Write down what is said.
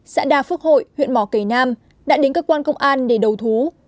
xã đà phước hội huyện mò kể nam đã đến cơ quan công an để đầu thú